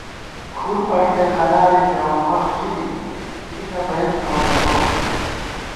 کُھرپݭٹَئ قلارےپېوَن وخت ژِتِنی گِری نہ بَئیم ٹوپَلوم